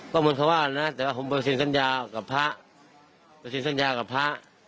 ก็เหมือนเขาว่านะแต่ว่าผมไปเซ็นสัญญากับพระไปเซ็นสัญญากับพระ